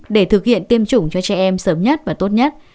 để thực hiện tiêm chủng cho trẻ em sớm nhất và tốt nhất